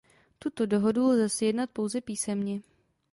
Tuto dohodu lze sjednat pouze písemně.